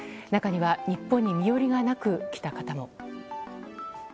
中には日本に身寄りがなく来た方も。